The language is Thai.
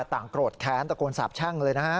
ต่างโกรธแข้นตะโกนสาบช่างเลยนะฮะ